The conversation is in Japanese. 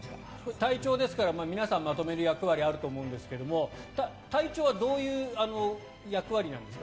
隊長ですから皆さんをまとめる役割があると思いますが隊長はどういう役割なんですか？